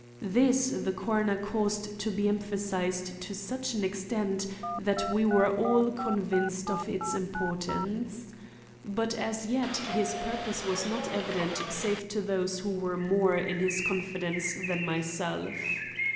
This the coroner caused to be emphasized to such an extent that we were all convinced of its importance. But as yet his purpose was not evident save to those who were more in his confidence than myself.